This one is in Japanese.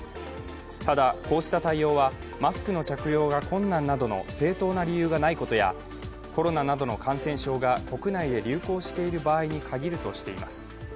ただ、こうした対応はマスクの着用が困難などの正当な理由がないことや、コロナなどの感染症が国内で流行している場合に限るとしています。